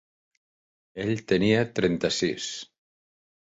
Ell tenia trenta-sis.